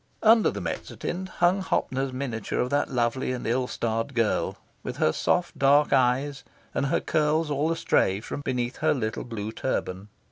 Under the mezzotint hung Hoppner's miniature of that lovely and ill starred girl, with her soft dark eyes, and her curls all astray from beneath her little blue turban.